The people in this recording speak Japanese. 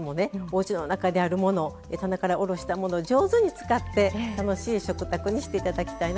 おうちの中にあるもの棚からおろしたものを上手に使って楽しい食卓にして頂きたいなと思います。